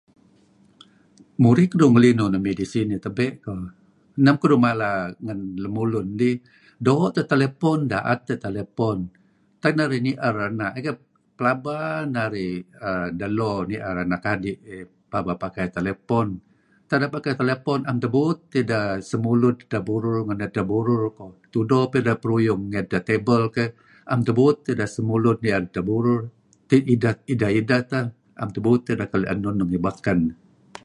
Murih keduih ngelinuh nuk midih sinih tabe' koh. Neh men keduih mala ngn lemulun iih doo' teh telephone daet teh telephone. Tak narih nier ena' iih keyh pelaba narih uhm delo nier anak adi' pelaba pakai telephone. Tak ideh pakai telephone am tebuut tidah semulud edteh burur ngen edteh burur koh. Tudo peruyung ngi edteh table keyh am tebuut tidah semulud ngen edteh burur. Ideh-ideh teh. Naem tebuut tidah keli' enun nuk ngi baken.